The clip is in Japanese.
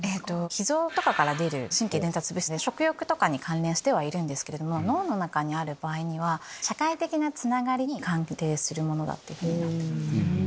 ひ臓とかから出る神経伝達物質で食欲とかに関連しているけど脳の中にある場合には社会的なつながりに関係するものといわれています。